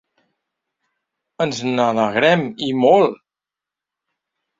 Ens n’alegrem… i molt!